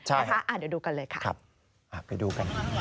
ใช่ค่ะไปดูกันเลยค่ะค่ะไปดูกัน